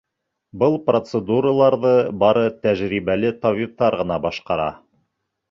Был процедураларҙы бары тәжрибәле табиптар ғына башҡара.